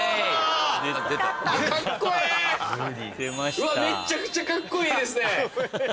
うわめちゃくちゃカッコいいですね！